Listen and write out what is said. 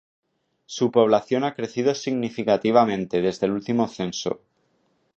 Su población ha crecido significativamente desde el último censo.